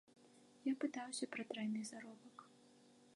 Я пытаўся пра трайны заробак.